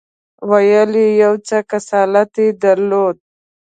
ویل یې یو څه کسالت یې درلود.